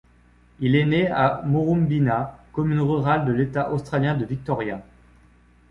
Il est né à Murrumbeena, commune rurale de l'État australien de Victoria.